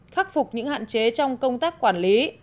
khắc phục những hạn chế trong công tác quản lý